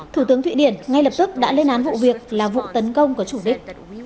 thủ tướng thụy điển ngay lập tức đã lên án vụ việc là vụ tấn công có chủ đích